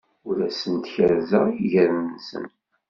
Ur asen-kerrzeɣ iger-nsen.